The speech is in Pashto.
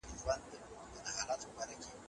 هغه وویل چې لمر ته ډېر مه ودرېږئ.